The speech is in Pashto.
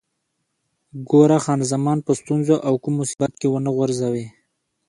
ګوره، خان زمان په ستونزو او کوم مصیبت کې ونه غورځوې.